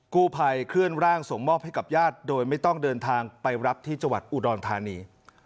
กู้ภัยเคลื่อนร่างส่งมอบให้กับญาติโดยไม่ต้องเดินทางไปรับที่จังหวัดอุดรธานี